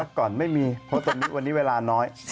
ก่อนไม่มีเพราะตอนนี้เวลาน้อย